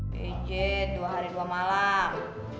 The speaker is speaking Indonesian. pj dua hari dua malam